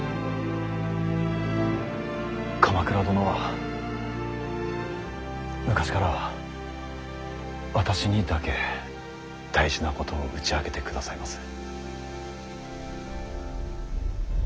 鎌倉殿は昔から私にだけ大事なことを打ち明けてくださいます。